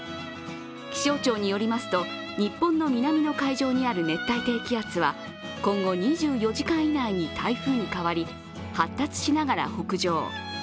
気象庁によりますと日本の南の海上にある熱帯低気圧は今後、２４時間以内に台風に変わり、発達しながら北上。